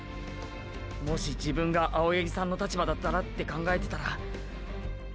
もし自分が青八木さんの立場だったらって考えてたら。